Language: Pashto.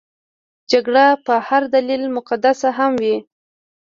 جګړه که په هر دلیل مقدسه هم وي.